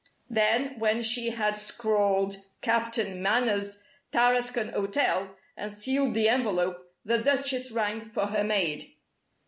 Then, when she had scrawled "Captain Manners, Tarascon Hotel," and sealed the envelope, the Duchess rang for her maid.